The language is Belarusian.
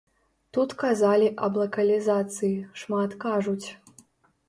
Тут казалі аб лакалізацыі, шмат кажуць.